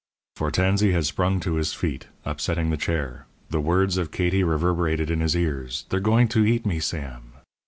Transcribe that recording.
_" For Tansey had sprung to his feet, upsetting the chair. The words of Katie reverberated in his ears: "They're going to eat me, Sam."